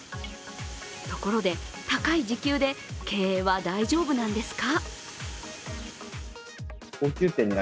ところで、高い時給で経営は大丈夫なんですか？